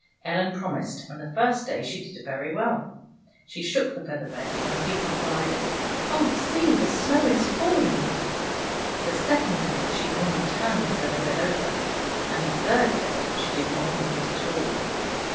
EUen promised, and the first day she did very well. She shook the feather bed, and [15S] FAVORITE FAIRY TALES RETOLD the people cried, " Oh, see, the snow is falling." The second day she only turned the feather bed over; and the third day she did not think of it at all.